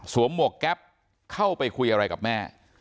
หมวกแก๊ปเข้าไปคุยอะไรกับแม่